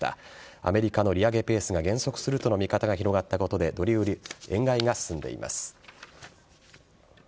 アメリカの利上げペースが減速するとの動きが広がりドル売り円買いが広がっています。